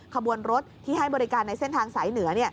ขบวนรถที่ให้บริการในเส้นทางสายเหนือ